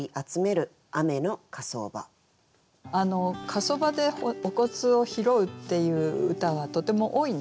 火葬場でお骨を拾うっていう歌はとても多いんですけどね。